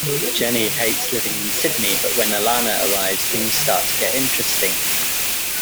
Jenny hates living in Sydney, but when Alana arrives things start to get interesting.